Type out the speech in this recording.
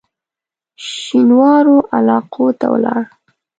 شینوارو علاقو ته ولاړ.